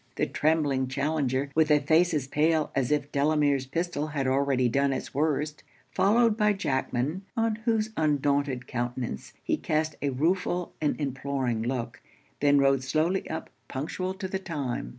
The trembling challenger, with a face as pale as if Delamere's pistol had already done it's worst, followed by Jackman, on whose undaunted countenance he cast a rueful and imploring look, then rode slowly up, punctual to the time.